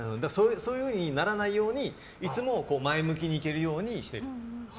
そうならないようにいつも前向きにいけるようにしてる。